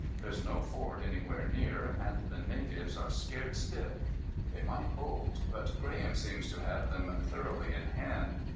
"There's no fort anywhere near, and the natives are scared stiff. They might bolt, but Graham seems to have them thoroughly in hand.